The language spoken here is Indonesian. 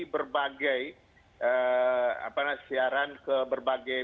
berbagai eh apa nasiaran ke berbagai